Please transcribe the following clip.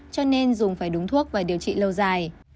cho nên dùng phải đúng thuốc và điều trị lâu dài